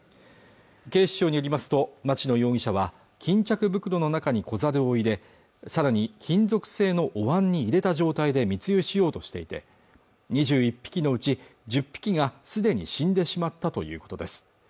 警視庁によりますと町野容疑者は巾着袋の中に子ザルを入れさらに金属製のおわんに入れた状態で密輸しようとしていて２１匹のうち１０匹がすでに死んでしまったということです